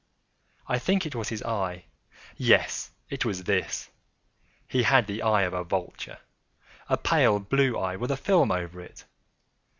I think it was his eye! yes, it was this! He had the eye of a vulture—a pale blue eye, with a film over it.